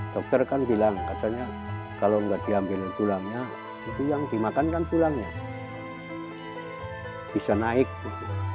dokter kan bilang katanya kalau nggak diambil tulangnya itu yang dimakan kan tulangnya bisa naik gitu